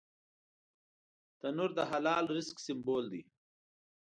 تنور د حلال رزق سمبول دی